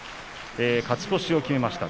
勝ち越しを決めました。